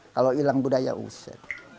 kalau hilang budaya usir